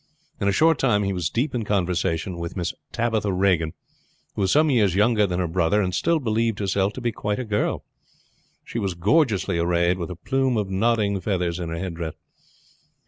In a short time he was deep in conversation with Miss Tabitha Regan, who was some years younger than her brother, and still believed herself to be quite a girl. She was gorgeously arrayed with a plume of nodding feathers in her headdress.